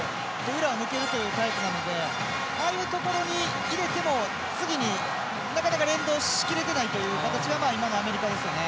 裏を抜けるというタイプなのでああいうところに入れても次になかなか連動しきれていないという形は今のアメリカですよね。